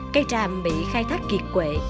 cây trà mỹ khai thác kỳ quệ